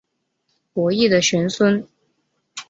伯益的玄孙。